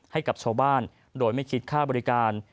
ให้กับชาวบ้านโดยไม่คิดค่าบริการ